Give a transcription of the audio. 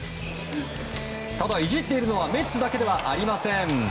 ただ、いじっているのはメッツだけではありません。